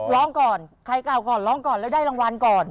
ร้องก่อนใครกล่าวก่อนร้องก่อนแล้วได้รางวัลก่อน